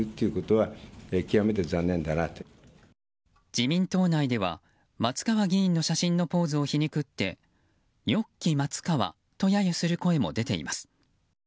自民党内では松川議員の写真のポーズを皮肉ってニョッキ松川と揶揄する声も出ています。